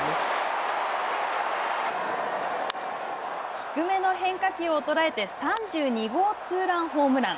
低めの変化球を捉えて３２号ツーランホームラン。